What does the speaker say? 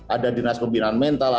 ada dinas pembinaan mental